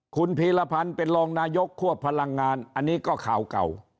คุณพีรพันธ์เป็นรองนายกควบพลังงานอันนี้ก็ข่าวเก่า